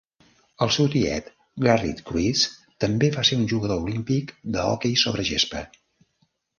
El seu tiet Gerrit Kruize també va ser un jugador olímpic de hoquei sobre gespa.